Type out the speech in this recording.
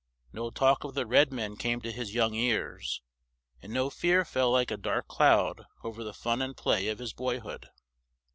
No talk of the red men came to his young ears; and no fear fell like a dark cloud over the fun and play of his boy hood.